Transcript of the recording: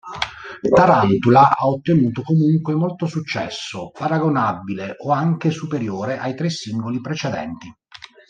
Tarantula ha ottenuto comunque molto successo, paragonabile o anche superiore ai tre singoli precedenti.